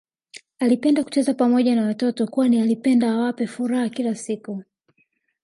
Alipenda kucheza Pamoja na watoto kwani alipenda awape furaha kila siku